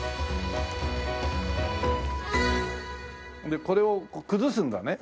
でこれを崩すんだね。